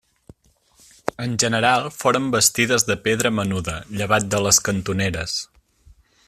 En general foren bastides de pedra menuda, llevat de les cantoneres.